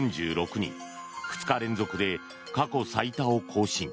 ２日連続で過去最多を更新。